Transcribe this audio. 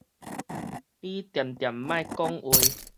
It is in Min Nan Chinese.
你恬恬莫講話